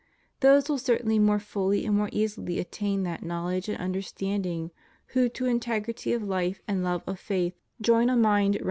Those will certainly more fully and more easily attain that knowledge and understanding who to integrity of life and love of faith join a mind rounded » 2 Petr.